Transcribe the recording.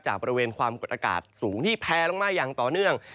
บริเวณความกดอากาศสูงที่แพลลงมาอย่างต่อเนื่อง